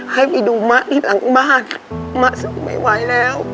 ให้ไปดูมะที่หลังบ้านมะสู้ไม่ไหวแล้ว